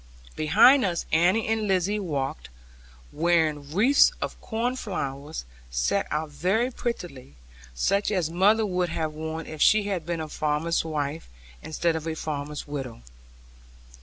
Behind us Annie and Lizzie walked, wearing wreaths of corn flowers, set out very prettily, such as mother would have worn if she had been a farmer's wife, instead of a farmer's widow.